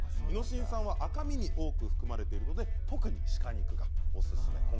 イノシン酸は赤身に多く含まれているので特に鹿肉がおすすめ。